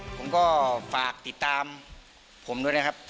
ผมก็ฝากติดตามผมด้วยนะครับ